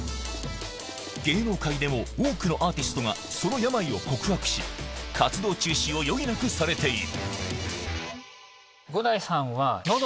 芸能界でも多くのアーティストがその病を告白し活動中止を余儀なくされている伍代さんは。